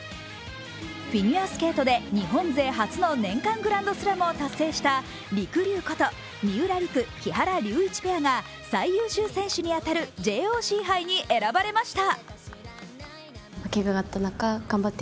フィギュアスケートで日本勢初の年間グランドスラムを達成したりくりゅうこと三浦璃来・木原龍一ペアが最優秀選手に当たるＪＯＣ杯に選ばれました。